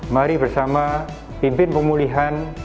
mari bersama pimpin pemulihan